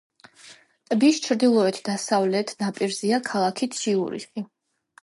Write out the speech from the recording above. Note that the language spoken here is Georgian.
ტბის ჩრდილოეთ-დასავლეთ ნაპირზეა ქალაქი ციურიხი.